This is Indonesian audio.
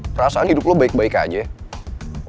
perasaan hidup lo baik baik aja